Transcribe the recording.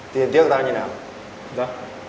tiền tiếc tao như thế nào